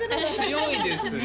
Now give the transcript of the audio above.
強いですね